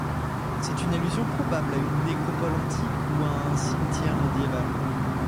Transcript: C'est une allusion probable à une nécropole antique ou à un cimetière médiéval.